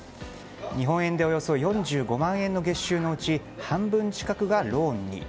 日本円でおよそ４５万円の月収のうち半分近くがローンに。